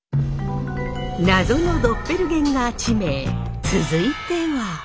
謎のドッペルゲンガー地名続いては？